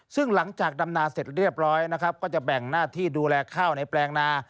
ซึ่งหลังจากดำนาเสร็จเรียบร้อยนะครับก็จะแบ่งหน้าที่ดูแลข้าวในแปลงนา